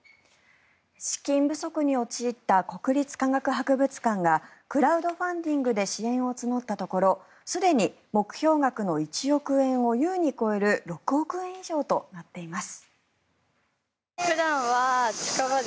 資金不足に陥った国立科学博物館がクラウドファンディングで支援を募ったところすでに目標額の１億円を優に超える６億円以上となっています。